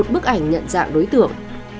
một mươi một bức ảnh nhận dạng đối tượng